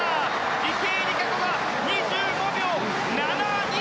池江璃花子は２５秒７２。